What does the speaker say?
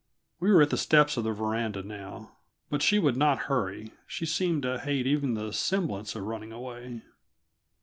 We were at the steps of the veranda now, but still she would not hurry; she seemed to hate even the semblance of running away.